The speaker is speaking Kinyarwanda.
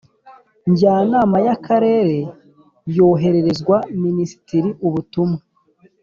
Njyanama y akarere yohererezwa minisitiri ubutumwa